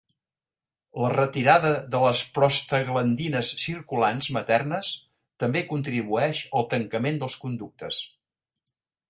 La retirada de les prostaglandines circulants maternes també contribueix al tancament dels conductes.